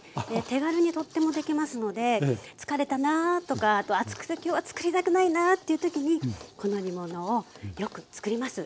手軽にとってもできますので疲れたなとかあと暑くて今日は作りたくないなという時にこの煮物をよく作ります。